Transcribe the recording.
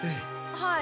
はい。